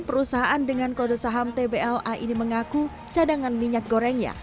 perusahaan dengan kode saham tbla ini mengaku cadangan minyak gorengnya